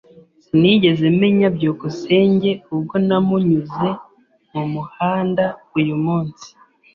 Sinigeze menya byukusenge ubwo namunyuze mumuhanda uyumunsi.